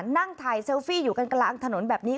นั่งถ่ายเซลฟี่อยู่กันกลางถนนแบบนี้